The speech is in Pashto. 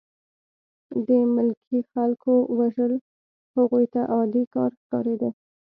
د ملکي خلکو وژل هغوی ته عادي کار ښکارېده